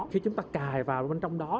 khi chúng ta cài vào bên trong đó